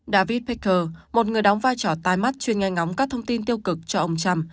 david pecker một người đóng vai trò tai mắt chuyên nghe ngóng các thông tin tiêu cực cho ông trump